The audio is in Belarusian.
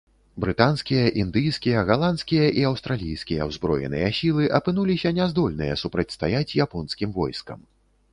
Брытанскія, індыйскія, галандскія і аўстралійскія ўзброеныя сілы апынуліся няздольныя супрацьстаяць японскім войскам.